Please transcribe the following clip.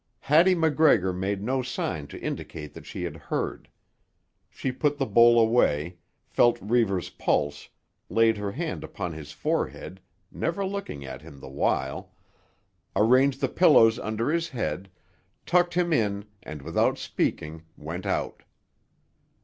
Hattie MacGregor made no sign to indicate that she had heard. She put the bowl away, felt Reivers' pulse, laid her hand upon his forehead—never looking at him the while—arranged the pillows under his head, tucked him in and without speaking went out.